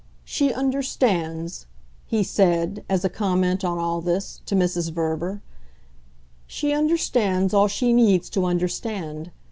"She understands," he said, as a comment on all this, to Mrs. Verver "she understands all she needs to understand.